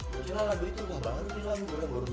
mungkin lah lagu itu udah banget gitu